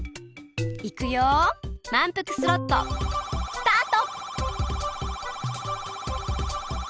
いくよまんぷくスロットスタート！